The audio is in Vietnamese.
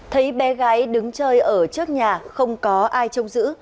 thấy bé gái đứng chơi ở trước nhà không có ai trông giữ